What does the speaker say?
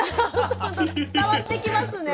伝わってきますね。